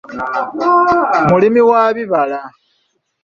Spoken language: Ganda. Mulimi wa bibala.